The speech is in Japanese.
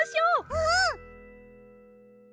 うん！